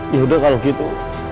ya udah kalau gitu